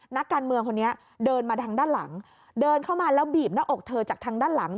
นักการเมืองคนนี้เดินมาทางด้านหลังเดินเข้ามาแล้วบีบหน้าอกเธอจากทางด้านหลัง